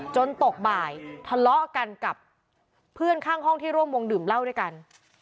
จนตกบ่ายทะเลาะกันกับเพื่อนข้างห้องที่ร่วมวงดื่มเหล้าด้วยกัน